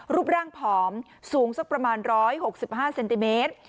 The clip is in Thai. รูปร่างผอมสูงสักประมาณ๑๖๕เซนติเมตร